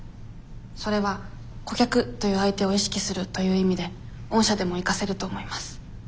それは顧客という相手を意識するという意味で御社でも生かせると思います。